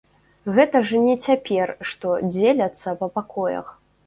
Гэта ж не цяпер, што дзеляцца па пакоях.